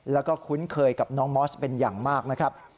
แล้วก็คุ้นเคยกับน้องมอสเป็นอย่างมากนะครับ